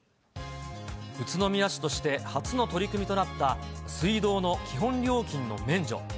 宇都宮市として初の取り組みとなった、水道の基本料金の免除。